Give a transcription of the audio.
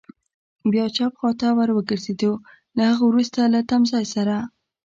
بیا چپ خوا ته ور وګرځېدو، له هغه وروسته له تمځای سره.